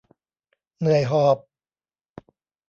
เหนื่อยหอบ